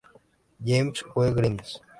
James W. Grimes.